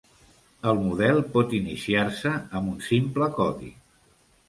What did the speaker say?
El model pot iniciar-se amb un simple codi.